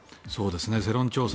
世論調査